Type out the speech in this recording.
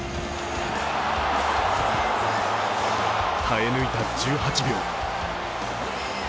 耐え抜いた１８秒。